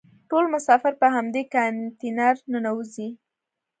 ټول مسافر په همدې کانتینر ننوزي.